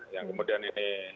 yang kemudian ini